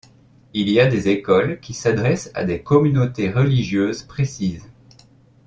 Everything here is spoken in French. Il y a des écoles qui s'adressent à des communautés religieuses précises.